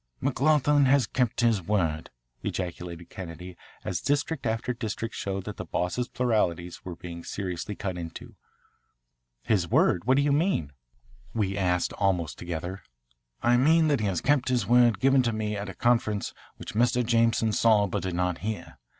"McLoughlin has kept his word," ejaculated Kennedy as district after district showed that the Boss's pluralities were being seriously cut into. "His word? What do you mean?" we asked almost together. "I mean that he has kept his word given to me at a conference which Mr. Jameson saw but did not hear.